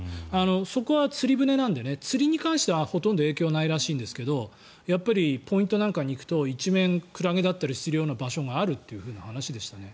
そこは釣り船なので釣りに関してはほとんど影響ないらしいんですがやっぱりポイントなんかに行くと一面クラゲだったりする場所があるそうです。